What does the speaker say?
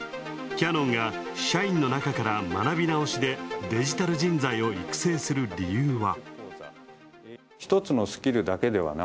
キヤノンが社員のなかから学び直しでデジタル人材を育成する理由は。